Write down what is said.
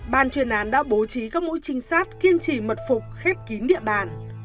ban chuyên án đã bố trí các mũi trinh sát kiên trì mật phục khép kín địa bàn